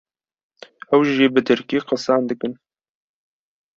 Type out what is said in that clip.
ew jî bi Tirkî qisan dikin.